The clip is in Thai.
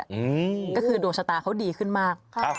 อะก็คือโดษตาเขาดีขึ้นมาก